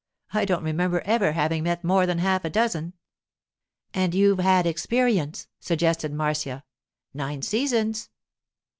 I don't remember ever having met more than half a dozen.' 'And you've had experience,' suggested Marcia. 'Nine seasons.